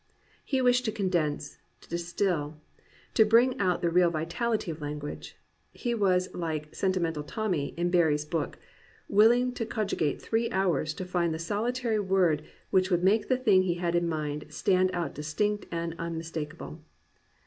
He wished to condense, to distil, to bring out the real vitaKty of language. He was like Sentimental Tommy in Barrie's book, willing to cogitate three hours to find the solitary word which would make the thing he had in mind stand out distinct and unmistakable.